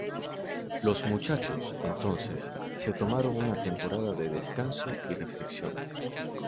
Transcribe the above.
Los muchachos, entonces, se tomaron una temporada de descanso y reflexión.